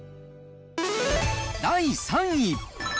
第３位。